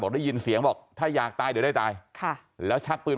ได้ยินเสียงบอกถ้าอยากตายเดี๋ยวได้ตายค่ะแล้วชักปืน